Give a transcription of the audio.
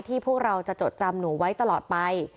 พวกเราจะจดจำหนูไว้ตลอดไป